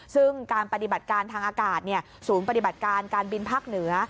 ซึ่งการปฏิบัติการทางอากาศศูนย์ปฏิบัติการการบินภาคเหนือ